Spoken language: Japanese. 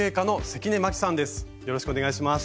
よろしくお願いします。